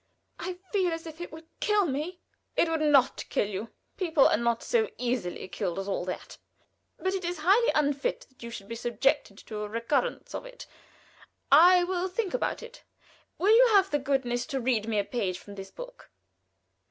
"I feel as if it would kill me." "It would not kill you. People are not so easily killed as all that; but it is highly unfit that you should be subjected to a recurrence of it. I will think about it. Will you have the goodness to read me a page of this book?"